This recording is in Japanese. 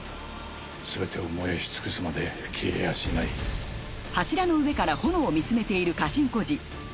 すべてを燃やし尽くすまで消えやしないあっ。